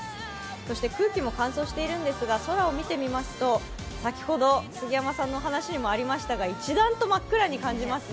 そして空気も乾燥してるんですが空を見てみますと先ほど杉山さんの話にもありましたが一段と真っ暗と感じますね。